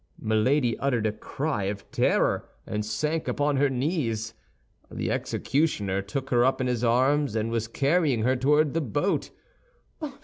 Milady uttered a cry of terror and sank upon her knees. The executioner took her up in his arms and was carrying her toward the boat.